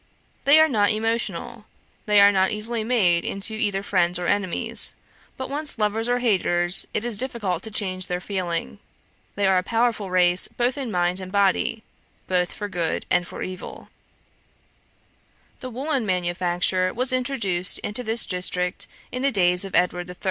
They are not emotional; they are not easily made into either friends or enemies; but once lovers or haters, it is difficult to change their feeling. They are a powerful race both in mind and body, both for good and for evil. The woollen manufacture was introduced into this district in the days of Edward III.